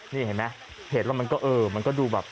นี่เห็นไหมเห็นแล้วมันก็เออมันก็ดูแบบ